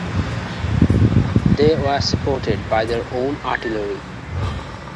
They were supported by their own artillery.